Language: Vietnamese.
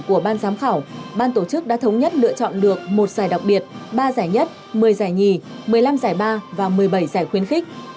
của ban giám khảo ban tổ chức đã thống nhất lựa chọn được một giải đặc biệt ba giải nhất một mươi giải nhì một mươi năm giải ba và một mươi bảy giải khuyến khích